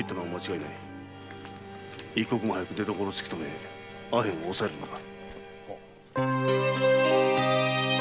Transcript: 一刻も早く出どころを突き止めアヘンを押えるのだ。